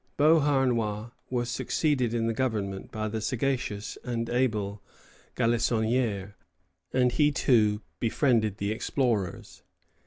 Beauharnois was succeeded in the government by the sagacious and able Galissonière, and he too befriended the explorers.